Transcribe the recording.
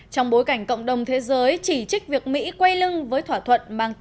trong bối cảnh cộng đồng thế giới chỉ trích việc mỹ quay lưng với thỏa thuận